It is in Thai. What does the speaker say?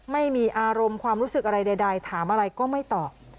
ไม่มีอารมณ์ความรู้สึกอะไรใดถามอะไรก็ไม่ตอบ